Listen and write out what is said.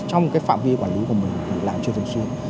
trong phạm vi quản lý của mình thì làm chưa thường xuyên